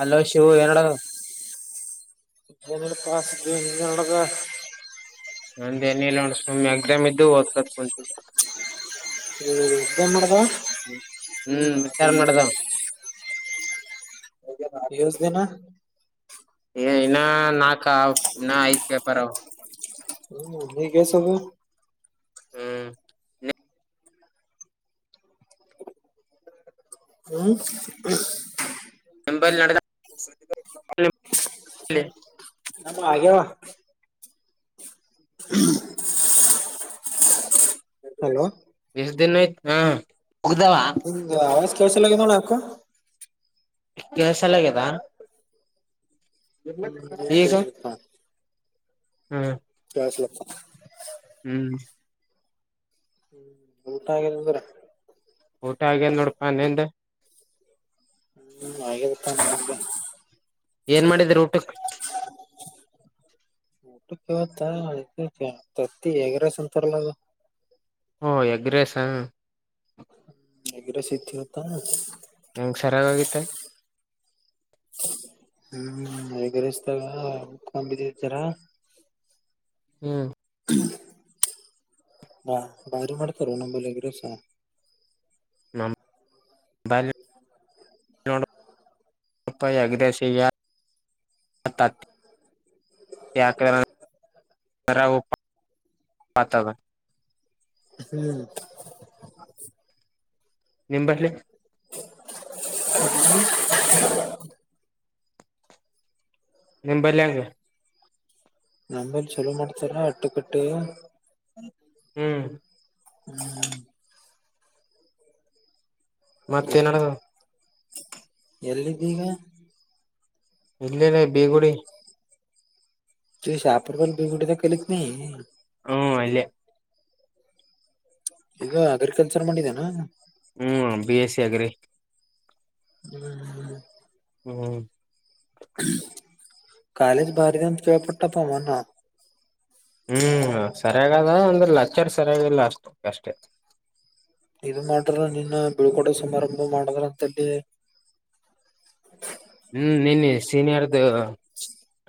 Hello Shivu ಏನ್ ನಡೆದದ. ಏನ್ ನಡೆದಿದ್ಪಾ ಸಿದ್ದು ಏನ್ ನಡೆದ ನಂದೇನಿಲ್ಲ ಅಣ್ಣ ಸುಮ್ ಎಕ್ಸಾಮ್ ಇದ್ದು ಓದ್ಕೊಂಡ್ ಕುಂತಿದ್ದೆ. [unintelligible] ಮಾಡದ ಹ್ಮ್ ವಿಚಾರ ಮಾಡುದ ಏಸ್ ದಿನ ಏ ಇನ್ನ ನಾಕ ಆವ್ ಇನ್ನ ಐದ್ ಪೇಪರ್ ಆವ ಹ್ಮ್ [unintelligible] ಹ್ಮ್ ಹ್ಮ್ ನಂಬಲ್ ನಡದ ನಮ್ಮಆಗ್ಯಾವ [unintelligible] ಹಲೋ ಎಷ್ಟು ದಿನ ಆಯ್ತ ಹ [unintelligible] ಅವಾಜ್ ಕೇಳ್ಸಲ್ಲಾಗ್ಯಾದ ನೋಡು ಯಾಕೋ ಕೆಳಸಲಾಗ್ಯದಾ ಹ್ಮ್ ಈಗ ಕೇಳಿಸ್ಲಪ್ಪ ಹ್ಮ್ ಕೇಳಿಸ್ಲಾ ಹ್ಮ್ ಊಟ ಆಗ್ಯದಂದ್ರ ಊಟ ಆಗ್ಯಾದ ನೋಡಪ್ಪ ನಿಂದು ಹೂ ಆಗಿದಪ್ಪ ನಮ್ಮದು ಏನ್ ಮಾಡಿದ್ರಿ [inaudible] ಊಟಕ್ಕೆ ಇವತ್ತ ತತ್ತಿ ಎಗ್ಗ್ ರೈಸ್ ಆನ್ನತಾರಲಾ ಅದು ಓ ಎಗ್ಗರೈಸ್ ಆ ಎಗ್ ರೈಸ್ ಇವತ್ತಾ ನಿಮಗೆ ಸರಿಯಾಗಿ ಆಗೈತಿ ಎಗ್ ರೈಸ್ ದಾಗ [unintelligible] ಹ್ಮೂ ಹಾ ಬಾರಿ ಮಾಡ್ತಾರೋ ಎಗ್ ರೈಸಾ [unintelligible] ಪಾಯ ಅಗ್ [unintelligible] ಯಾಕ್ [unintelligible] ಮಾತಾಡ ಹ್ಮ್ ನಿಂಬಲ್ಲಿ [unintelligible] ನಿಮ್ಮ ಬಲ್ಲಿ ಹೆಂಗ ನಂದೊಂದ್ ಚಲೋ ಮಾಡ್ತಾರ ಅಲ್ಲ ಅಟ್ಟಕ ಅಟ್ಟೆ ಹ್ಮ್ ಹ್ಮ್ ಮತ್ತೇನಡದು ಎಲ್ಲಿದಿ ಈಗ ಇಲ್ಲೇನೇ ಭೀ ಗುಡಿ ಶಹಾಪುರದಲ್ಲಿ ಭೀ ಗುಡಿಯಲ್ಲಿ ಕಲಿತಿ ನೀ ಹೂ ಅಲ್ಲೇ ಇದು ಅಗ್ರಿಕಲ್ಚರ್ ಮಾಡಿದೇ ಏನು ಹೂ ಬಿಎಸ್ಸಿ ಅಗ್ರಿ ಹ್ಮ್್ಮ್ಮ ಹ್ಮ್ ಕಾಲೇಜ್ ಬಾರಿ ಅದ ಅಂತ ಕೇಳಪಟ್ಟೆ ಮೊನ್ನೆ ಹ್ಮಸರಿಯಾಗದ ಅಂದರ ಲೆಕ್ಚರ್ ಸರಿಯಾಗಿ ಇಲ್ಲಾ ಅಷ್ಟಕ ಅಷ್ಟೇ ಇದು ಮಾಡ್ಯಾರ ನಿನ್ನೆ ಬಿಳ್ಕೋಡೆ ಸಮಾರಂಭ ಮಾಡಿದ್ರ ಅಂತಲ್ಲಿ ಹೂ ನಿನ್ನೆ ಸೀನಿಯರದು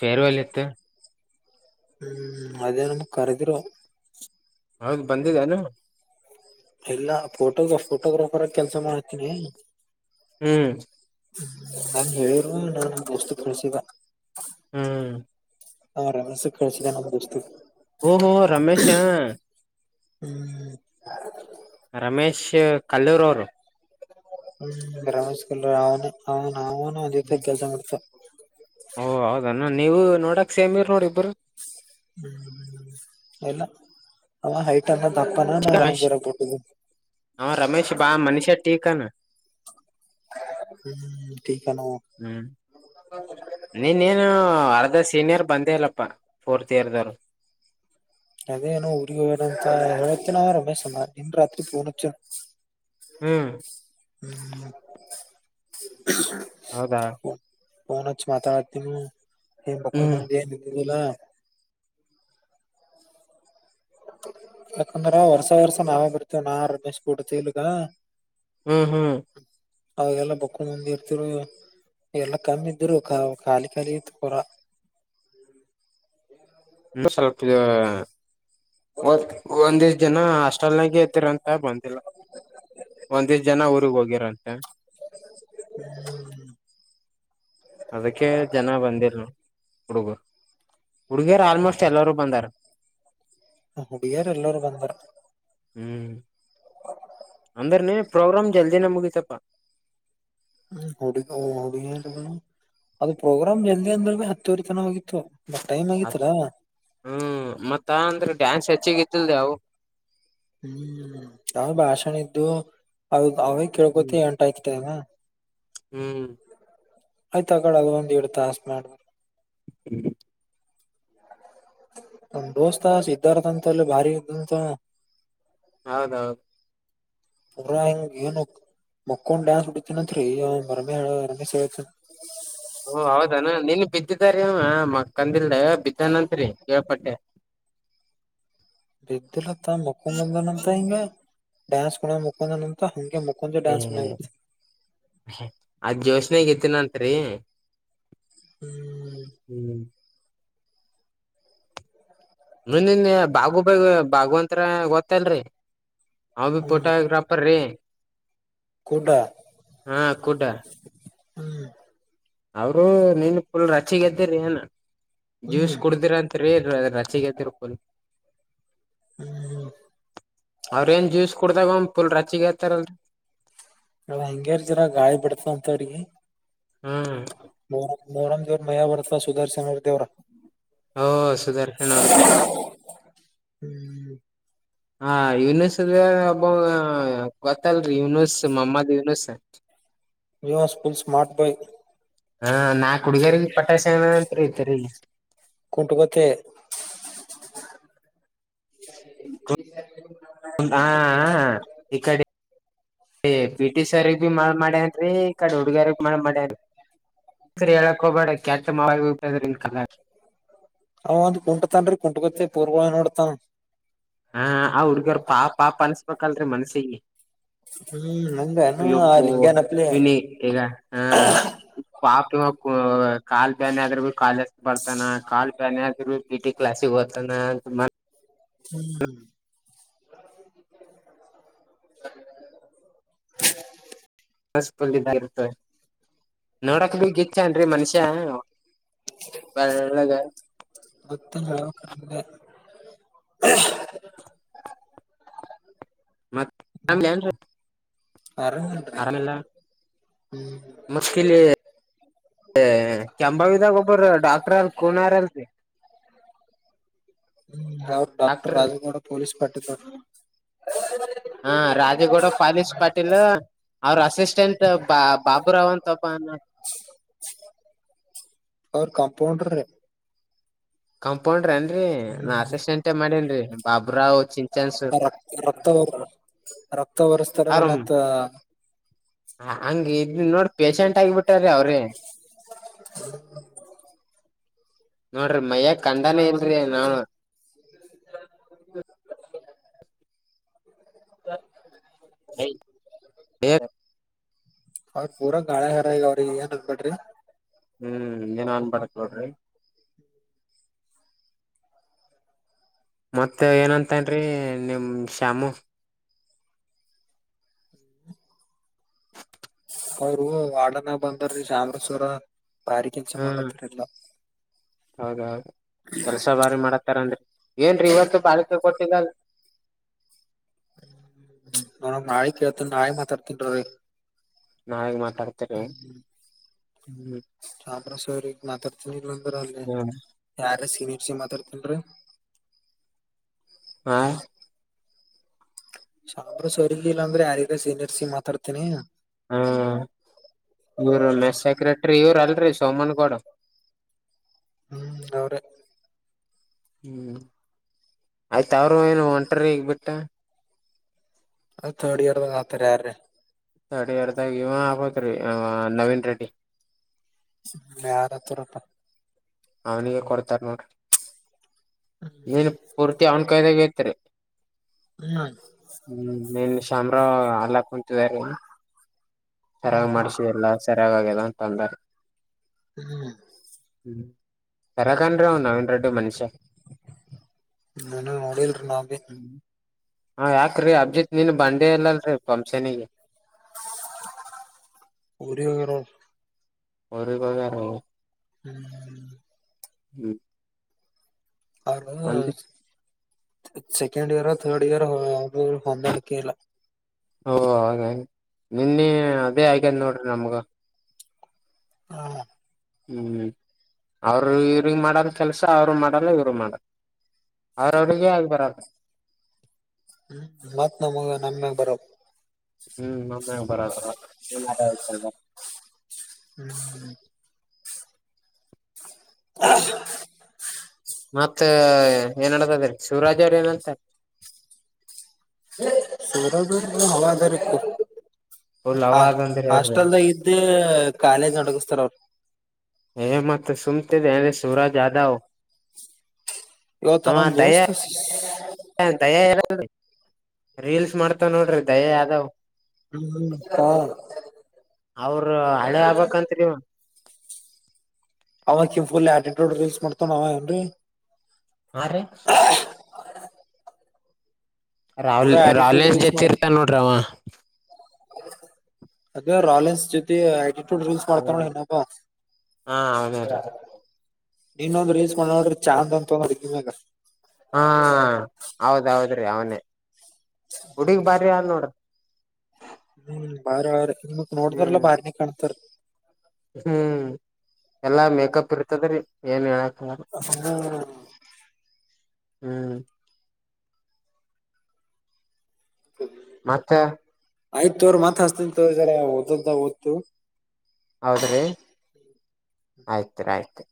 ಪೇರವಲ್ ಇತ್ತು ಹ್ಮ್ ಅದ ಎದರದ ಕಾರ್ಯಕ್ರಮ ಹೌದು ಬಂದಿದೆನು ಇಲ್ಲ ಇಲ್ಲ ಫೋಟೋಗ್ರಾಫರ್ ಆಗಿ ಕೆಲ್ಸ ಮಾಡಕತೀನಿ ಹ್ಮ್ ನಾ ಹೇಳಿದ್ರು ನಮ್ಮ ದೋಸ್ತಗ ತಿನಿಸಿದ ಹ್ಮ್ ಆರಾಮ್ಸೆ ಕಳಿಸಿದ್ನಲ್ಲ ನಮ್ ದೋಸ್ತಗ ಓಹೋ ರಮೇಶ ಹ್ಮ್ ರಮೇಶ ಕಲ್ಲೂರ್ ಅವರು ಹ್ಮ್ ರಮೇಶ್ ಕಲ್ಲೂರು ಅವನು ಅವನು ಅವನು ಅದೇ ಕೆಲ್ಸ ಮಾಡ್ತನ ಹೂ ಹೌದನ್ನ ನೋಡಕ್ಕ ಸೇಮ್ ಅದಿರಿ ನೋಡು ನೀವು ಇಬ್ಬರು ಹ್ಮ್ ಇಲ್ಲ ಅವ ಹೈಟ್ ಅದಾನ ದಪ್ಪ ಅದಾನ ಜರ ಗಿಡ್ಡ ಅದಾನ ಆ ರಮೇಶ ಬಾಳ ಮನುಷ್ಯ ಟಿಕ ಆನ ಟೀಕ ಆನ ಹ್ಮ್ ನಿನ್ನೆ ಏನು ಅರ್ಧ ಸೀನಿಯರ್ ಬಂದೆ ಇಲ್ಲಪ್ಪ ಫೋರ್ತ್ ಇಯರ್ ದವರು ಅದೇನೋ ಊರಿಗಿ ಹೋಗ್ಯಾನ ಅಂತ ರಮೇಶ್ ನಿನ್ನೆ ರಾತ್ರಿ ಫೋನ್ ಹಚ್ಚ್ಯನ್ ಹ್ಮ್ ಹ್ಮ್ ಹೌದಾ ಪೋನ್ ಹಚ್ಚಿ ಮಾತಾಡಕತಿನಿ ಹ್ಮ್ ಇದುನು ಇಲ್ಲ ಯಕಂದ್ರ ವರ್ಷ ವರ್ಷ ನಾವೇ ಬರ್ತೀವಿ ನಾ ರಮೇಶ್ ಕೂಡ್ ತಿಲಗ ಹ್ಮ್ ಹ್ಮ್ ಅವಾಗೆಲ್ಲ ಬಕ್ಕೊಂಡ್ ಬಂದಿ ಇರ್ತಿರು ಎಲ್ಲ ಕಮ್ಮಿ ಇದ್ರು ಖಾಲಿ ಖಾಲಿ ಇತ್ತ ಪೂರ ಇನ್ನು ಸ್ವಲ್ಪ ಇದೆ ಒಂದು ದಿನ ಹಾಸ್ಟೆಲ್ ನಾಗ ಇದ್ದರ ಅಂತ ಬಂದಿಲ್ಲ ಒಂದೇ ಜನ ಊರಿಗ್ ಹೋಗಿರಂತೆ. [inaudible] ಅದಕ್ಕೆ ಜನ ಬಂದಿಲ್ [unintelligible] ಹುಡುಗ ಹುಡುಗಿಯರು ಆಲ್ಮೋಸ್ಟ ಎಲ್ಲರು ಬಂದಾರ. ಹುಡಿಗ್ಯಾರ್ ಎಲ್ಲರೂ ಬಂದಾರ. ಹ್ಮ ಅಂದ್ರ ನೀ ಪ್ರೋಗ್ರಾಮ್ ಜಲ್ದಿನೆ ಮುಗಿತಪ್ಪಾ. [unintelligible] ಅದು ಪ್ರೋಗ್ರಾಮ್ ಜಲ್ದಿ ಅಂದ್ರನೆ ಹತ್ತುವರೆ ತನ ಹೋಗಿತ್ತು. ಬಟ್ ಟೈಮ್ ಆಗಿತಲ ಹ್ಮ ಮತ್ತ ಅಂದ್ರೆ ಡ್ಯಾನ್ಸ ಹೆಚ್ಚಿಗಿತ್ತಿಲ್ದಿ ಯವು? ಹ್ಮ ಅವ್ರ ಭಾಷಣ ಇದ್ದು ಅವ ಅವೇ ಕೇಳ್ಕೊತಿ ಎಂಟ ಆಯ್ತಲ್ಲ. ಹ್ಮ ಆಯ್ತ ಆಗಳ ಅದ ಒಂದ ಎರಡ್ ತಾಸ್ ಮಾಡ್ಬೇಕು. ಹ್ಮ ನಮ್ ದೋಸ್ತ ಸಿದ್ಧಾರ್ಥ ಅಂತಲ್ಲ ಭಾರಿ ಇದಂತ. ಹೌದೌದು. [unintelligible] ಹಿಂಗ್ ಏನು? ಮಕ್ಕೊಂಡ್ ಡ್ಯಾನ್ಸ ಹೊಡಿತಿನಂತ್ರಿ [unintelligible] ರಮೇಶ್ [unintelligible] ಓ ಹೌದಾನ ನೆನ್ ಬಿದ್ದಿದಾ ರೀ ಅವ ಮಕ್ಕಂದಿಲ್ಲ ಬಿದ್ದನಂತ್ರಿ ಕೇಳ್ಪಟ್ಟೆ. ಬಿದ್ದಲತ್ತ ಮುಕೊಂಡ್ದನಂತ ಹಿಂಗೆ ಡ್ಯಾನ್ಸ [unintelligible] ಮಕ್ಕೊಂದನ್ [unintelligible] ಹಂಗೆ ಮಕ್ಕೊಂದೆ ಏ ಡಾನ್ಸ [unintelligible] ಅದ್ ಜೋಶನಾಗ್ ಎತ್ತಿನಂತ್ರಿ? [inaudible] ಹ್ಮ [unintelligible] ಬಾಗು ಬ ಬಾಗವಂತ್ರ ಗೊತ್ತಲ್ರಿ ನ ಬಿ ಹ್ಮ್ ಫೋಟೋಗ್ರಾಫ [unintelligible] ಕುಡ್ಡ ಹಾ ಕುಡ್ಡ. ಹ್ಮ ಅವರು ನಿನ್ ಫುಲ್ ರಚ್ಚಿಗೆ ಎದ್ದಿರಿ ಏನ ಹ್ಮ್ ಜ್ಯೂಸ್ ಕುಡ್ದಿರನ್ [unintelligible] ರಚ್ಚಿಗ್ ಎದ್ದಿರಪ್ಪಾ [unintelligible] ಹ್ಮ ಅವ್ರ ಏನ್ ಜ್ಯೂಸ್ ಕುಡ್ದಾಗ ಫುಲ್ಲು ರಚ್ಚಿಗ್ ಹೇರ್ತಾರಲ್ರಿ? [unintelligible] ಗಾಳಿ ಬಿಡ್ತ ಅಂತ ಅವ್ರಿಗೆ. ಹ್ಮ ಮೂರಮ್ ಮೂರಮ್ ದೇವ್ರ ಮೈಯ ಬರ್ತಾ ಸುದರ್ಶನ್ ಅವರ್ ದೇವ್ರ. ಓ [unintelligible] ಹ್ಮ ಹಾ ಯೂನೂಸ್ ಒಬ್ಬ ಗೊತ್ತಲ್ರಿ ಯುನೂಸ್ ಮಮ್ಮದ ಯನೂಸ್ [unintelligible] ಸ್ಮಾರ್ಟ್ ಬಾಯ್ ಹಾ ನಾಕ್ ಹುಡ್ಗ್ಯಾರಿಗ್ ಪಟಾಯ್ಸನಂತ್ರಿ ಇತರಿ. [unintelligible] [unintelligible] ಈ ಕಡಿ ಈ ಪಿಟಿ ಸರ್ ಭೀ ಮಳ್ ಮಾಡ್ಯನ್ರೀ ಈ ಕಡಿ ಹುಡ್ಗ್ಯಾರಿಗ್ ಮಳ್ ಮಾಡ್ಯನ್ರಿ. [unintelligible] ಹೇಳಕ್ ಹೋಗಬ್ಯಾಡ [unintelligible] ಅವ ಒಂದ್ ಕುಂಟತನ್್ರೀ ಕುಂಟ ಗೊತ್ತೆ ಪೂರ್ವಾಗ್ ನೋಡತಾನ. ಹಾ ಆ ಹುಡ್ಗರು ಪಾಪ ಪ ಅನ್ಸ್ಬೇಕಲ್ರೀ ಮನ್ಸಿಗೆ. ಹ್ಮ್ ನಂಗನು ಆ ಯೋಪ್ಪು ಲಿಂಗ್ಯನಪ್ಲೆ ಯನಿ ಇಗ. ಹ ಪಾಪ ಕಾಲ್ ಬ್ಯಾನ ಅಗ್ರ ಕಾಲ. ಬರ್ತಾನ ಕಾಲ್ ಬ್ಯಾನ ಆದ್ರು ಬಿ ಟಿ ಕ್ಲಾಸ್ ಹೋಗ್ತಾನ. ಹ್ಮ್. [unintelligible] ನೋಡಕ್ ಬೀಗ್ ಇಚ್ ಏನ್ರಿ ಮನುಷ್ಯ. ಬೆಳ್ಳಗ. ಮತ್ತ. ಮತ್ತ. [inaudible] ಅರ. ಆರಾಮಲ್ಲ. ಹ್ಮ್. ಎ ಕೆಂಂಬಾವಿದ ಗೊಪೂರ್ ಡಾಕ್ಟರ್ ಅ ಕುನಾರಾಲತ್ತೆ. ಯಾವ ಡಾಕ್ಟರ್ ರಾಜುಗೌಡ ಪೊಲಸ್ ಪಟ್. ಹಾ ರಾಜೇಗೌಡ ಪಾಲೀಸ್್ ಪಾಟೀಲ್ ಅವ್ರ ಅಸಿಸ್ಟೆಂಟ್. ಬಾ ಬಾಬುರಾವ್ ಅಂತಪ್ಪ. ಅವ್ರ ಕಾಂಪೌಂಡ್ರಿ. ಕಂಪೌಂಡ್ರ ಏನ್ ರಿ ನಾ ಅಸಿಸ್ಟೆಂಟೇ ಮಾಡೇನ್ೀ ಬಾಬರಾವ್. ರಕ್ತ ರಕ್ತ ಹೊರ್ ರಕ್ತ ಹೊರೆಸ್ತಾರೆ ಮತ್ತ. ಹ ಹಂಗೆ ಇಗ್ ನೋಡ್. ಪೇಶೆಂಟ್ ಆಗಿಬಿಟ್ಟಾರಿ ಅವ್ರೆ. ನೋಡ್ರಿ ಮಯ್ಯ ಕಂದಾನ ಇಲ್ರಿ ನಾ. [inaudible] ೇ. [inaudible] ಅವ್ರ ಪೂರ ಗಳಿ ಹಾರ ಈಗ ಅವ್ರಿಗೆ ಏ ಅಂನ್ಬಡ್ರಿ. ಹ್ಮ್ ನೀನ್ನ ಅನ್ಬೇಡ ಕಳ್ರಿ. ಮತ್ತ ಏನಂತನ್ರಿ ನಿಮ್ ಶ್ಯಾಮು. ಅವರು ವಾಡನ ಬಂದಾರೀ ಚಾಮೇಶ್ವರ ಭಾರಿ ಕೆಲ್ಸ ಹ್ಮ್ ಮಾಡತ್ರ್ರಲ್ಲ. ಹೌದೌದು ಕೆಲ್ಸ ಬಾರಿ ಮಾಡತ್ತಾರನ್ರಿ ಏನ್ರೀ ಇವತ್ತು ಬಾಾಲಿಕೆ ಕೊಟ್ಟಿದ್ದಲ್. [unintelligible] ಮಾತಾಡ್ತನ್ ನೋರಿ. ನಾವೇಗ್ ಮಾತಾಡ್ತೇನೆ ಹ್ಮ. ಅದ್ರ ಸರಿ ಈಗ್ ಮಾತಾಡ್ತನಿ ಇಲ್ಲಂದ್ರ ಅಲ್ಲಿ ಯಾರ ಸಿನರ್ ಸಿ ಮಾತಾಡ್ತನ್ರೀ. ಹಾ. ಸಾಂಬ್ರ ಸರಿ ಲಿಲ್ಲಾಂದ್ರೆ ಆಯದ ಸೀನಿಯರ್ಸಿಗ್ ಮಾತಾಡ್ತೀನಿ. ಹಾ ಇವ್ರ ಮೆಸ್ ಸೆಕ್ರೆಟ್ರರಿ ಇವರು ಅಲ್ರಿ ಸೋಮನ್ಗೌಡ. ಹ್ಮ್ ಅವ್ರೆ. ಹ್ಮ್ ಆಯ್ತ ಅವರು ಏನು ಒಂಟ್ರಿ ಈಗ್ ಬಿಿಟ್ಟ. ಅದ ತರ್ಡ್ ಇಯರ್ದಾಗ ಆತಾರೆ ಯಾರೀ. ಅಡಿ ಎರ್ದಾಗ ಇವ ಆಗ್ತ್ ರೀ ನವೀನ್ ರೆಡ್ಡಿ. ಮ್ಯಾಡ ತರಪ್ಪ. ಅವ್ನಿಗೆ ಕೊಡ್ತಾರ್ ನೋಡ್ರಿ. ನೀನು ಪುರ್ತಿ ಅವನ್ ಕಯ್ಯಗತ್ರಿ. ಹ್ಮ್ ಹ್ಮ್ ನಿನ್ ಶಾಮರಾವ್ ಅಲ್ಲಾ ಕುಂತಿದಾರ. ಸರಿಯಾಗ್ ಮಾಡ್ಸಲ್ಲ ಸರಿಯಾಗಗ್ಯಲ್ಲ ಅಂತ ಅಂದರ್ರಿ. ಹು ಹ್ಮ್ ಹೊರಗ ಆನ ರೀ ಅವ ನವೀನ್ ರೆಡ್ಡಿ ಮನುಷ್ಯ ನಾನು ನೋಡಿಲ್ಲ ರಿ ನಾಬಿ ಹಾ ಯಾಕ್ರೀ ಅಭಿಜಿತ್ ನೀನ್ ಬಂದೆ ಇಲ್ಲಲ್ರರಿ ಫಂಗಷನ್ಗಿ ಊರಿಗಿ ಹೋಗ್ಯಾರ ಅವ್ರು ಊರಿಗಿ ಹೋಗ್ಯಾರಿ ಹ್ಮ್ ಹ್ಮ್ ಅವ್ರ ಒಂದ ಸೆಕೆಂಡ್ ಇಯರ್ ಥರ್ಡ್ ಇಯರ್ ಅವ್ರು ಹೊಂದಾಣಿಕೆ ಇಲ್ಲ ಓ ಹಾಗ ನಿನ್ನೆ ಅದೇ ಆಗ್ಯಾದ ನೋಡ್ರಿ ನಮ್ಗ ಹಾ ಹ್ಮ್ ಅವರು ಇವ್ರಗಿ ಮಾಡಲ್ಲ ಕೆಲ್ಸ ಅವರು ಮಾಡಲ್ಲ ಇವರು ಮಾಡಲ್ಲ ಅವ್ರ ಅವರಿಗೆ ಆಗಿ ಬರಲ್ಲ ಹ್ಮ್ ಮತ್ತ್ ನಮಗ ನಮ್ಮ ಮ್ಯಾಗ ಬರೋ ಹ್ಮ್ ನಮ್ಮಾಗ ಬರವ್ರು [unintelligible] [inaudible] ಹು [inaudible] ಮತ್ತ ಏನ ನಡದಾದ್ರಿ ಶಿವರಾಜ ಅವ್ರ ಏನಂತರ ಶಿವರಾಜ ಅವ್ರದ ಹವಾ ಆದ್ರಿ ಫುಲ್ ಫುಲ್ ಹಾ ಅವಾಜ್ ಅಂದ್ರ ಅವ್ರಿ ಹಾಸ್ಟೆಲ್ದಾಗ ಇದ್ದು ಮತ್ತೆ ಕಾಲೇಜ್ ನಡಗಿಸ್ತಾರ ಅವ್ರು ಹೇ ಮತ್ತ ಸುಮ್ಮ ತಿಳಿದಿದಿ ಸುರಜ ಯಾದವ ಇವತ್ತ ನಮ್ಮ ದಯಾ ದೋಸ್ತ [unintelligible] ರೀಲ್ಸ್ ಮಾಡ್ತಾನ ನೋಡ್ರಿ ರಿ ದಯಾ ಯಾದವ್ ಹ್ಮ್ ಅವ್ರ ಅಳೆಯ ಆಗಬೇಕ ಅಂತರಿ ಇವ ಅವ ಅಕಿ ಫುಲ್ ಆಟಿಟ್ಯೂಡ್ ರಿಲ್ಸ್ ಮಾಡ್ತನ ಅವ ಏನ್ರಿ ಹಾ ರೀ ರಾ ಪೂರಾ ಆಟಿಟ್ಯೂಡ್ ರಾವಲೆನ್ಸ್ ರೀಲ್ಸ್ ಜೊತಿ ಇರತನ ನೋಡ್ರಿ ಅವ ಆಗ ರಾವಲೆನ್ಸ್ ಜೊತಿ [unintelligible] ರಿಲ್ಸ್ ಮಾಡತನ ನೋಡ ಇನ್ನೊಬ ಹಾ ಅವನೇ ರೀ ನಿನ್ನೆ ಒಂದ ರಿಲ್ಸ್ ಮಾಡ್ಯಾ ನೋಡ್ರಿ ಚಹಾ ಅಂತ ತೊಗೊಂಡು ಡಬ್ಬಿಮ್ಯಾಗ ಹಾ ಹೌದ ಹೌದರಿ ಅವನೇ ಹುಡುಗ್ ಬಾರಿ ಆದ್ ನೋಡ್ರಿ ಹ್ಮ್ [unintelligible] ಕಾಣ್ತರಿ ಹ್ಮ್ ಎಲ್ಲಾ ಮೇಕಪ್ ಇರ್ತದ್ರೀ ಏನ್ ಹೇಳಕ್ [inaudible] ಹ್ಮ್ ಮತ್ತ ಆಯ್ತ ತೋರಿ ಮತ್ತ ಹಚ್ಚತೀನಿ ತೋರಿ ಜರ ಓದದಂತ ಓದತಿವಿ ಹೌದ್ರಿ ಆಯ್ತುರಿ ಆಯ್ತು